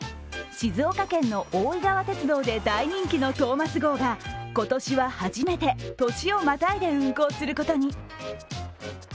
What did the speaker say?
静岡県の大井川鐵道で大人気のトーマス号が今年は初めて年をまたいで運行することに。